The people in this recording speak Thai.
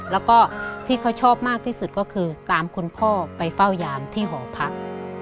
แล้วก็ที่เขาชอบมากที่สุดก็คือตามคุณพ่อไปเฝ้ายามที่หอพัก